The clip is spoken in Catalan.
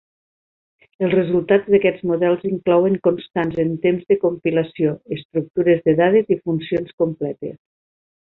Els resultats d'aquests models inclouen constants en temps de compilació, estructures de dades i funcions completes.